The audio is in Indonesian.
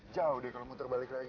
jauh deh kalau muter balik lagi